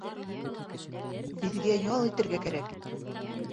Беҙгә ял итергә кәрәк!